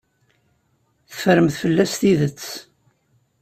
Teffremt fell-as tidet.